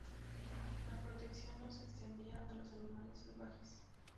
La protección no se extendía a los animales salvajes.